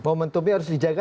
momentumnya harus dijaga